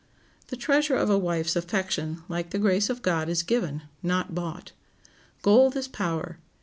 The treasure of a wife's affection, like the grace of God, is given, not bought. Gold is power.